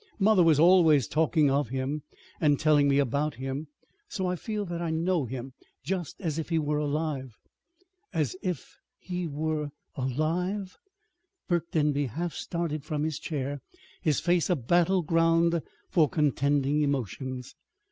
Mother was always talking of him, and telling me about him; so I feel that I know him, just as if he were alive." "As if he were alive!" Burke Denby half started from his chair, his face a battle ground for contending emotions.